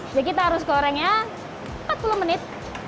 jadi kita harus gorengnya empat puluh menit